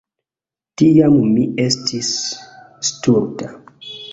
Tiam mi estis stulta.